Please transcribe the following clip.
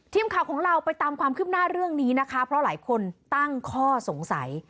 ทีมข่าวของเราไปตามความคืบหน้าเรื่องนี้นะคะเพราะหลายคนตั้งข้อสงสัย